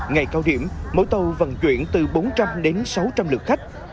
ngày cao điểm mỗi tàu vận chuyển từ bốn trăm linh đến sáu trăm linh lượt khách